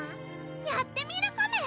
やってみるコメ！